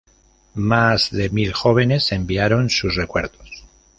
Más de mil jóvenes enviaron sus recuerdos.